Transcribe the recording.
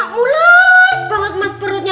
mulas banget mas perutnya